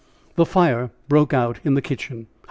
The fire broke out in the kitchen.